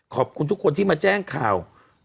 ขอบคุณทุกคนที่มาแจ้งข่าว